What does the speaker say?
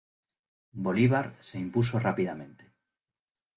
Bolívar se impuso rápidamente.